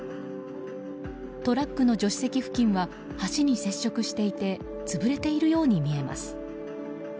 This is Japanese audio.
トラックの助手席付近は橋に接触していて潰れているように見えます。